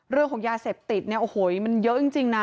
เรื่องของยาเสพติดเนี่ยโอ้โหมันเยอะจริงนะ